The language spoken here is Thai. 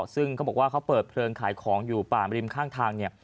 ซึ่งเขาบอกว่าเขาเปิดเพลิงขายของอยู่ป่ามริมข้างทางเนี่ย